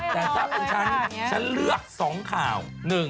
แต่ถ้าเป็นฉันฉันเลือก๒ข่าว